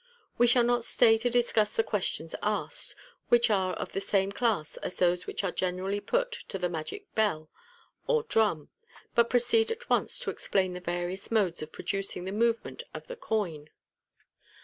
We shall not stay to discuss the questions asked, which are of the same class as those which are generally put to the Magic Bell or Drum, but proceed at once to explain the various modes of producing the movement of the coin.